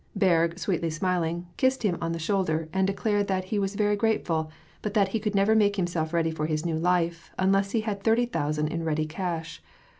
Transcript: Berg, sweetly smiling, kissed him on the shoulder, and declared that he was very grateful, but that he could never make himself ready for his new life unless he had thirty thousand in ready cash.